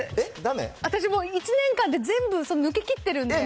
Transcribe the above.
私もう、１年間で全部、抜けきってるんで。え？